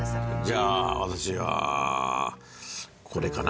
じゃあ私はこれかな。